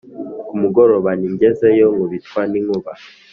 ku mugoroba ntigezeyo ikubitwa n'inkuba